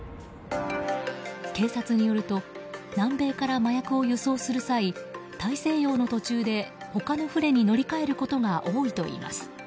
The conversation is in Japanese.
警察によると南米から麻薬を輸送する際大西洋の途中で他の船に乗り換えることが多いといいます。